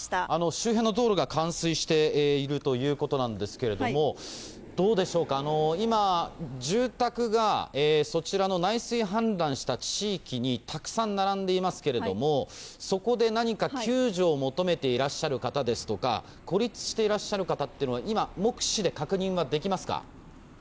周辺の道路が冠水しているということなんですけれども、どうでしょうか、今、住宅が、そちらの内水氾濫した地域にたくさん並んでいますけれども、そこで救助を求めていらっしゃる方ですとか、孤立していらっしゃる方っていうのは、今、目視で確認はできます